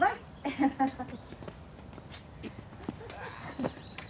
ハハハハハ。